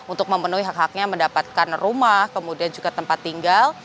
untuk memenuhi hak haknya mendapatkan rumah kemudian juga tempat tinggal